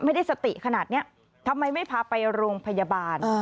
ไม่ได้สติขนาดนี้ทำไมไม่พาไปโรงพยาบาล